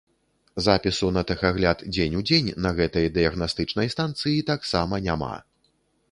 Запісу на тэхагляд дзень у дзень на гэтай дыягнастычнай станцыі таксама няма.